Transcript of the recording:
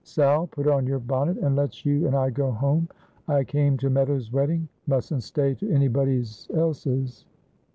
Sal, put on your bonnet and let's you and I go home. I came to Meadows' wedding; mustn't stay to anybody's else's."